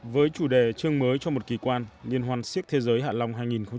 với chủ đề chương mới cho một kỳ quan liên hoan siếc thế giới hạ long hai nghìn một mươi chín